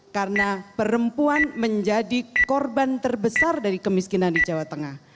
karena perempuan menjadi korban terbesar dari kemiskinan di jawa tengah